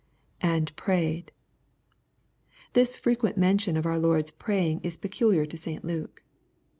[and prayed.] This frequent mention of our Lof d's praying is peculiar to St Luke.